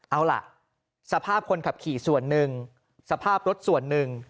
เอาล่ะสภาพคนขับขี่ส่วนหนึ่งสภาพรถส่วนหนึ่ง